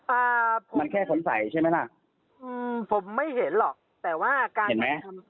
อ่าผมแค่สงสัยใช่ไหมล่ะอืมผมไม่เห็นหรอกแต่ว่าการทำ